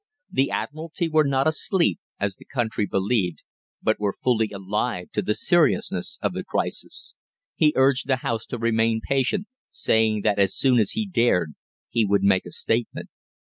The Admiralty were not asleep, as the country believed, but were fully alive to the seriousness of the crisis. He urged the House to remain patient, saying that as soon as he dared he would make a statement.